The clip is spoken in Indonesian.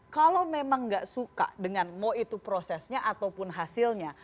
kalau memang tidak suka dengan mau itu prosesnya ataupun hasilnya